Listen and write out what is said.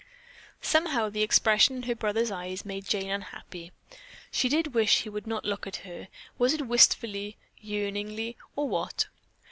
Somehow the expression in her brother's eyes made Jane unhappy. She did wish he would not look at her was it wistfully, yearningly or what?